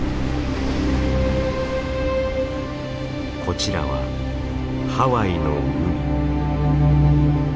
こちらはハワイの海。